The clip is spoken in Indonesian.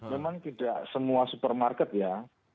memang tidak semua supermarket ya